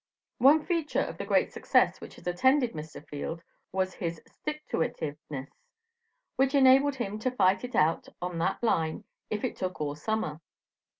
One feature of the great success which has attended Mr. Field was his stick to it iveness which enabled him to 'fight it out on that line if it took all summer.'